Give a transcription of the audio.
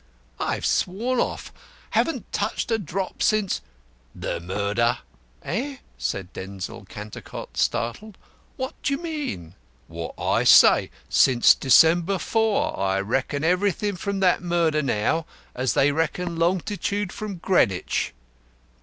"I've sworn off. Haven't touched a drop since " "The murder?" "Eh?" said Denzil Cantercot, startled. "What do you mean?" "What I say. Since December 4. I reckon everything from that murder, now, as they reckon longitude from Greenwich."